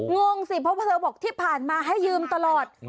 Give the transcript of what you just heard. งงสิเพราะเธอบอกที่ผ่านมาให้ยืมตลอด